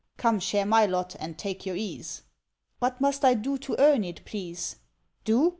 Come, share my lot, and take your ease." "What must I do to earn it, please?" "Do?